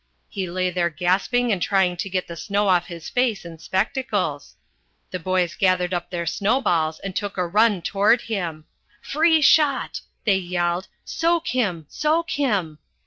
He lay there gasping and trying to get the snow off his face and spectacles. The boys gathered up their snow balls and took a run toward him. "Free shot!" they yelled. "Soak him! Soak him!"